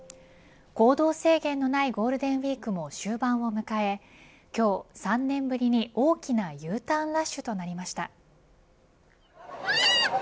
行動制限のないゴールデンウイークも終盤を迎え今日、３年ぶりに大きなＵターンラッシュとなりました。